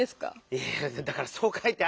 いやだからそうかいてあるから。